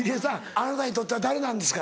あなたにとっては誰なんですか？